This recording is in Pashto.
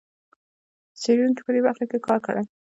څېړونکو په دې برخه کې کار کړی.